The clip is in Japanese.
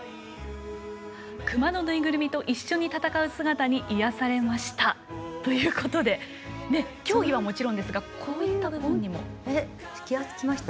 「クマのぬいぐるみと一緒に戦う姿に癒やされました。」ということで競技はもちろんですが気が付きました？